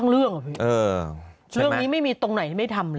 เรื่องเรื่องนี้ไม่มีตรงไหนไม่ทำเลย